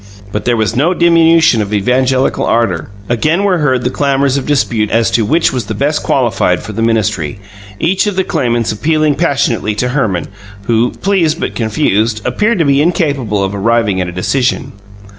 But there was no diminution of evangelical ardour; again were heard the clamours of dispute as to which was the best qualified for the ministry, each of the claimants appealing passionately to Herman, who, pleased but confused, appeared to be incapable of arriving at a decision.